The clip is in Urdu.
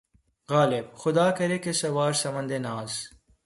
غالبؔ! خدا کرے کہ‘ سوارِ سمندِ ناز